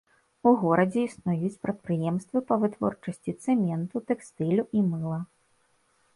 У горадзе існуюць прадпрыемствы па вытворчасці цэменту, тэкстылю і мыла.